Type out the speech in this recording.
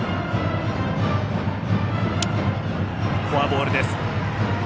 フォアボールです。